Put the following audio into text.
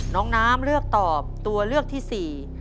น้องน้ำเลือกตอบตัวเลือกที่สี่